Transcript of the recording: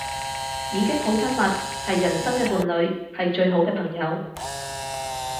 已經好親密，係人生嘅伴侶，係最好嘅朋友